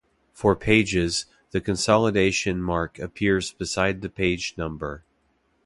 For pages, the consolidation mark appears beside the page number.